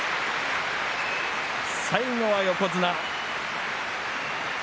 最後は横綱。